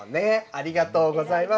ありがとうございます。